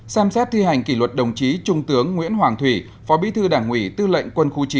ba xem xét thi hành kỷ luật đồng chí trung tướng nguyễn hoàng thủy phó bí thư đảng ủy tư lệnh quân khu chín